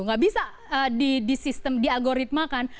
tidak bisa di sistem di algoritmakan